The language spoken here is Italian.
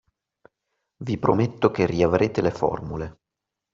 Vi prometto che riavrete le formule.